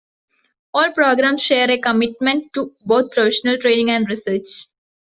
All programs share a commitment to both professional training and research.